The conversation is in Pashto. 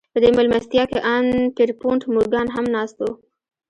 په دې مېلمستیا کې ان پیرپونټ مورګان هم ناست و